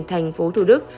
thành phố thủ đức